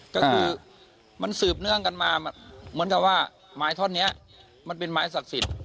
ก็คือมันสืบเนื่องกันมาเหมือนกับว่าไม้ท่อนนี้มันเป็นไม้ศักดิ์สิทธิ์